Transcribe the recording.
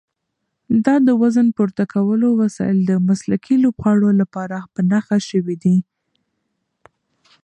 دا د وزن پورته کولو وسایل د مسلکي لوبغاړو لپاره په نښه شوي دي.